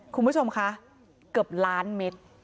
คุณผู้ชมคะเกือบล้านเมตร